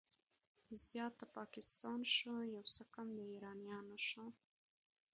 زيات د پاکستان شو، يو څه کم د ايرانيانو شو